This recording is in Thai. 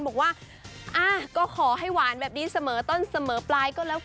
บอกว่าก็ขอให้หวานแบบนี้แต่เลิศต้นแต่เลิศปลายก็แล้วกันนะ